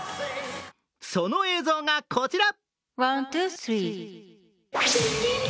その映像がこちら。